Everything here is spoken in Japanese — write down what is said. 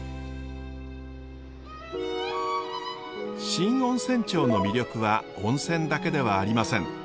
新温泉町の魅力は温泉だけではありません。